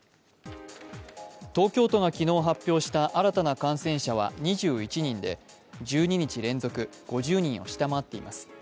東京都が昨日発表した新たな感染者は２１人で１２日連続、５０人を下回っています。